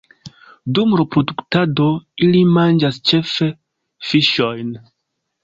Dum reproduktado ili manĝas ĉefe fiŝojn.